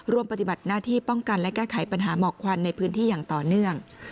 ปฏิบัติหน้าที่ป้องกันและแก้ไขปัญหาหมอกควันในพื้นที่อย่างต่อเนื่อง